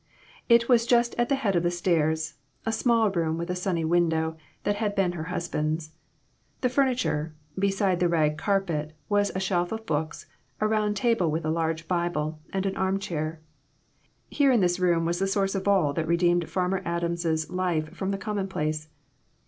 It was just at the head of the stairs, a small room with a sunny window, that had been her husband's. The furniture, beside the rag carpet, was a shelf of books, a round table with a large Bible and an arm chair. Here in this room was the source of all that redeemed Farmer Adams' life from the commonplace.